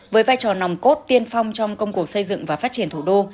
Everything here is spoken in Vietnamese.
với vai trò nòng cốt tiên phong trong công cuộc xây dựng và phát triển thủ đô